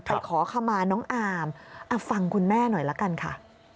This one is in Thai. ขอขมาน้องอามฟังคุณแม่หน่อยละกันค่ะ